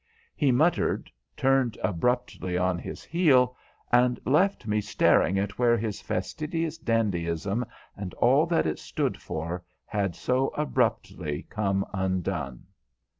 He muttered, turned abruptly on his heel, and left me staring at where his fastidious dandyism and all that it stood for had so abruptly come undone.